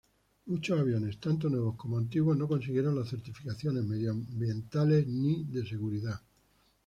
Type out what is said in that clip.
Muchos aviones, tanto nuevos como antiguos, no consiguieron las certificaciones medioambientales ni de seguridad.